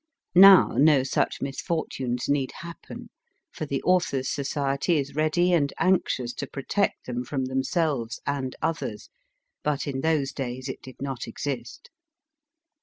Now no such misfortunes need happen, for the Authors Society is ready and anxious to protect them from them selves and others, but in those days it did not exist.